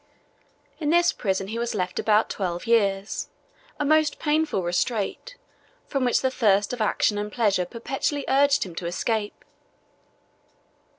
In this prison he was left about twelve years; a most painful restraint, from which the thirst of action and pleasure perpetually urged him to escape.